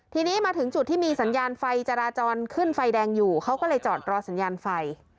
ทีนี้มาถึงจุดที่มีสัญญาณไฟจราจรขึ้นไฟแดงอยู่เขาก็เลยจอดรอสัญญาณไฟ